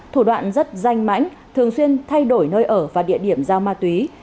thủ đoạn rất danh mãnh thường xuyên thay đổi nơi ở và địa điểm giao ma túy